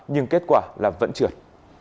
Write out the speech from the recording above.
nhưng kết quả là vẫn trượt